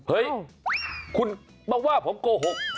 เฮ่ยคุณบอกว่าผมโกหก